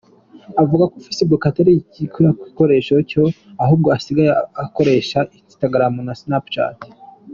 Avuga ko Facebook atakiyibuka kuyikoresha ko ahubwo asigaye akoresha instagram na Snapchat.